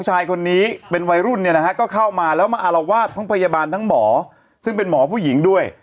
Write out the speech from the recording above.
ศักดิ์ก็เล่านั้นอันนี้